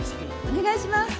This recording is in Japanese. お願いします。